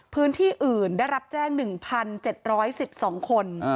พื้นที่อื่นได้รับแจ้ง๑๗๑๒คน